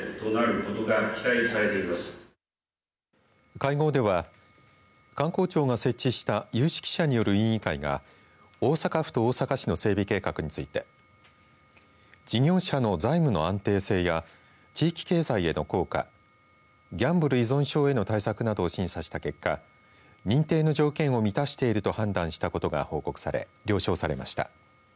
会合では観光庁が設置した有識者による委員会が大阪府と大阪市の整備計画について事業者の財務の安定性や地域経済への効果ギャンブル依存症への対策などを審査した結果認定の条件を満たしていると判断したことが報告され了承されました。